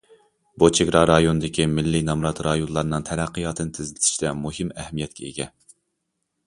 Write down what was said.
بۇ چېگرا رايوندىكى مىللىي نامرات رايونلارنىڭ تەرەققىياتىنى تېزلىتىشتە مۇھىم ئەھمىيەتكە ئىگە.